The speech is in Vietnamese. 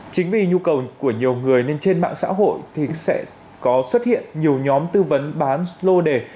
chính vì nhu cầu của nhiều người nên trên mạng xã hội thì sẽ có xuất hiện nhiều nhóm tư vấn bán slo đề